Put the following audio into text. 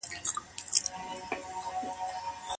غالی، ټغر او خامکدوزي مشهور دي.